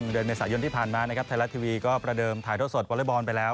เดือนเมษายนที่ผ่านมานะครับไทยรัฐทีวีก็ประเดิมถ่ายทอดสดวอเล็กบอลไปแล้ว